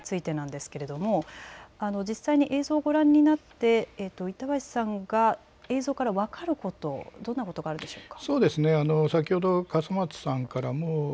そして岸田総理大臣の現場の警備態勢についてなんですけれども、実際に映像をご覧になって、板橋さんが映像から分かること、どんなことがあるでしょうか。